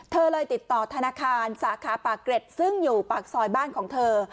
เธอเลยติดต่อธนาคารสาขาปากเกร็ดซึ่งอยู่ปากซอยบ้านของเธอ